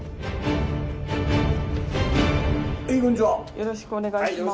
よろしくお願いします。